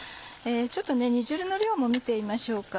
ちょっと煮汁の量も見てみましょうか。